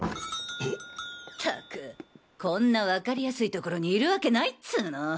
ったくこんなわかりやすい所にいるわけないっつの！